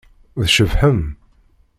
Tcebḥem.